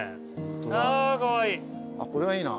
これはいいな。